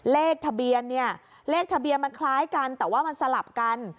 เลขทะเบียนเนี่ยเลขทะเบียนมันคล้ายกันแต่ว่ามันสลับกัน